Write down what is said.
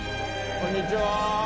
こんにちは。